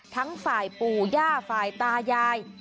ทั้งฝ่ายปู่ย่าฝ่ายตายาย